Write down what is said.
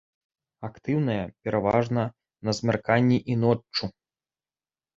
Актыўная пераважна на змярканні і ноччу.